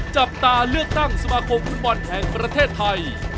จับตาเลือกตั้งสมาคมฟุตบอลแห่งประเทศไทย